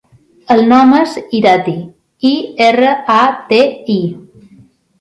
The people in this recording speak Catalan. El nom és Irati: i, erra, a, te, i.